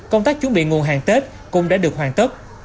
công tác chuẩn bị nguồn hàng tết cũng đã được hoàn tất